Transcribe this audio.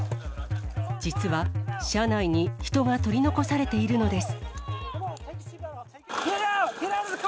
実は、車内に人が取り残されているのです。